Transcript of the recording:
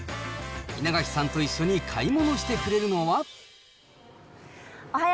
稲垣さんと一緒に買い物してくれるのは。